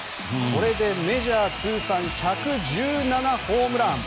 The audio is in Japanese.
これでメジャー通算１１７ホームラン！